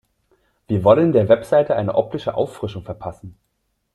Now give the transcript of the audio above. Wir wollen der Website eine optische Auffrischung verpassen.